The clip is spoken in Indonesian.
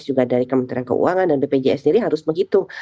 juga dari kementerian keuangan dan bpjs sendiri harus menghitung